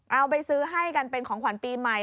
เอาไปซื้อให้กันเป็นของขวัญปีใหม่